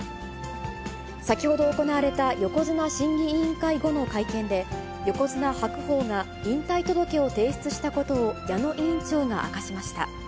先ほど行われた横綱審議委員会後の会見で、横綱・白鵬が引退届を提出したことを、矢野委員長が明かしました。